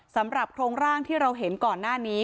สำหรับโทรงร่างที่เราเห็นก่อนหน้านี้